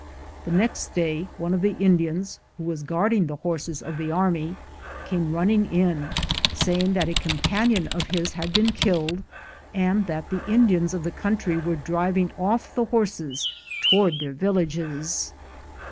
The next day one of the Indians, who was guarding the horses of the army, came running in, saying that a com panion of his had been killed, and that the Indiana of the country were driving off the horses toward their villages.